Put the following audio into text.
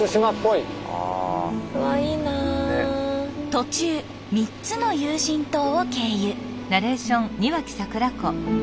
途中３つの有人島を経由。